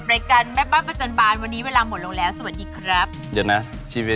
เดี๋ยวพูดผิดรายการเป็นภาษาอินเตอร์เลียนหน่อยได้ป่ะว่าอะไรครับว่าว่าแบบว่าเออ